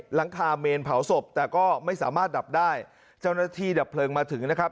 หลังคาเมนเผาศพแต่ก็ไม่สามารถดับได้เจ้าหน้าที่ดับเพลิงมาถึงนะครับ